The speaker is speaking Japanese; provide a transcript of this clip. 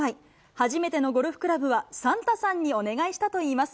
初めてのゴルフクラブはサンタさんにお願いしたといいます。